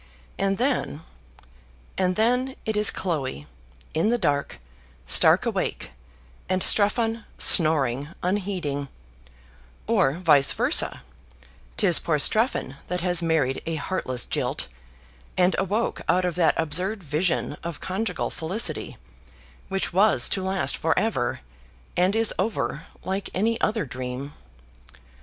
And then and then it is Chloe, in the dark, stark awake, and Strephon snoring unheeding; or vice versa, 'tis poor Strephon that has married a heartless jilt, and awoke out of that absurd vision of conjugal felicity, which was to last for ever, and is over like any other dream.